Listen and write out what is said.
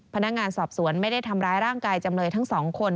พนักงานสอบสวนไม่ได้ทำร้ายร่างกายจำเลยทั้งสองคน